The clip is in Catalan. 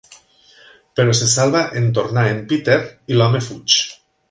Però se salva en tornar en Peter i l'home fuig.